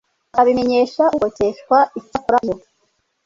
akabimenyesha ugobokeshwa Icyakora iyo